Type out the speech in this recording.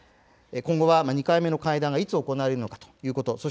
今後は、２回目の会談がいつ行われるのかということ。